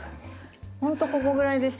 ほんとここぐらいでした。